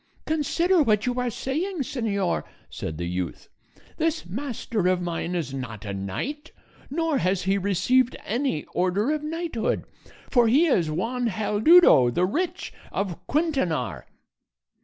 "Consider what you are saying, señor," said the youth; "this master of mine is not a knight, nor has he received any order of knighthood; for he is Juan Haldudo the Rich, of Quintanar."